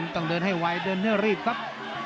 ต้องเดินให้ไว้เดินเรื่อยครับ